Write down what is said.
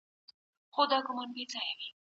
ژوند سره کوي؟ او بیا هم، آیا دا ممکنه ده، چي د